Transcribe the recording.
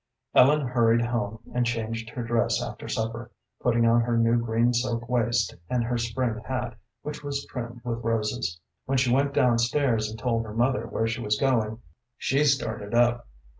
Ellen hurried home, and changed her dress after supper, putting on her new green silk waist and her spring hat, which was trimmed with roses. When she went down stairs, and told her mother where she was going, she started up.